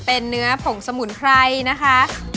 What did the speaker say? เป็นเนื้อผงสมุนไพรนะคะ